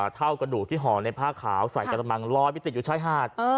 เท่ากระดูกที่ห่อในผ้าขาวใส่กระมังลอยไปติดอยู่ชายหาด